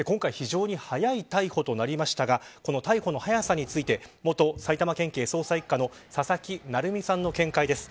今回、非常に早い逮捕となりましたがこの逮捕の早さについて元埼玉県警捜査一課の佐々木成三さんの見解です。